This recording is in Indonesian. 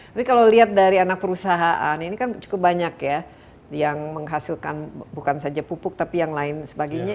tapi kalau lihat dari anak perusahaan ini kan cukup banyak ya yang menghasilkan bukan saja pupuk tapi yang lain sebagainya